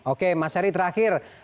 oke mas herdi terakhir